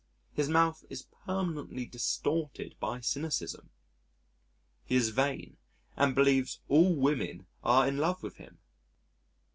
His mouth is permanently distorted by cynicism. He is vain and believes all women are in love with him.